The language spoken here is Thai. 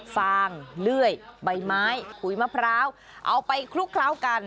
ฟางเลื่อยใบไม้ขุยมะพร้าวเอาไปคลุกเคล้ากัน